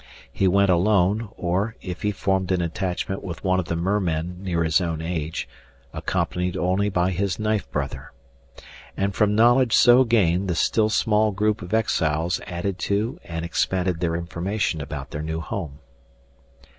He went alone or, if he formed an attachment with one of the mermen near his own age, accompanied only by his knife brother. And from knowledge so gained the still small group of exiles added to and expanded their information about their new home.